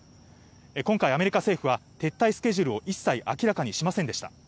今回アメリカ政府は撤退スケジュールを一切明らかにしませんでした。